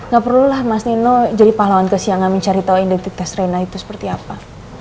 gak perlulah mas nino jadi pahlawan kesiangan mencari tahu identitas rena itu seperti apa